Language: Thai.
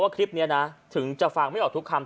คุณผู้ชมจะฟังไม่ออกทุกคำ